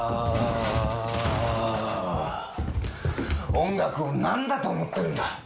音楽を何だと思ってるんだ！